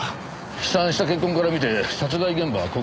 飛散した血痕から見て殺害現場はここでしょうな。